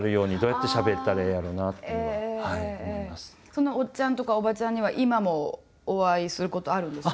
そのおっちゃんとかおばちゃんには今もお会いすることあるんです？